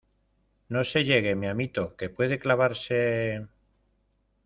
no se llegue, mi amito , que puede clavarse...